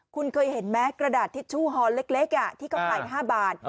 คุณเคยเห็นไหมกระดาษทิชชู่ฮอเล็กที่เขาขาย๕บาท